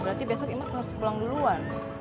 berarti besok imes harus pulang duluan